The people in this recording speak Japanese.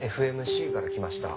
ＦＭＣから来ました